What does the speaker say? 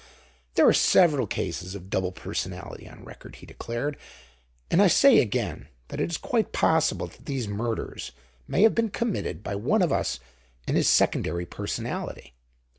"There are several cases of double personality on record," he declared. "And I say again that it is quite possible that these murders may have been committed by one of us in his secondary personality.